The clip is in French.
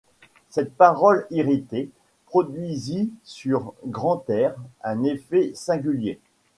Cette parole irritée produisit sur Grantaire un effet singulier.